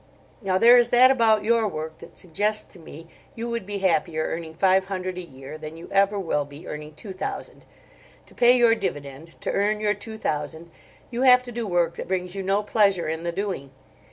Now, there is that about your work that suggests to me you would be happier earning five hundred a year than you ever will be earning two thousand. To pay your dividend—to earn your two thousand—you have to do work that brings you no pleasure in the doing.